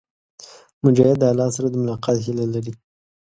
مجاهد د الله سره د ملاقات هيله لري.